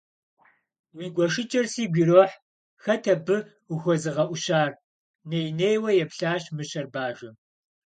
Уи гуэшыкӀэр сигу ирохь, хэт абы ухуэзыгъэӀущар? - ней-нейуэ еплъащ мыщэр бажэм.